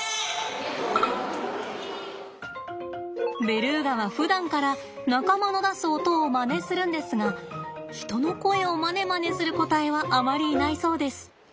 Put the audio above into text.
ベルーガはふだんから仲間の出す音をまねするんですが人の声をまねまねする個体はあまりいないそうです。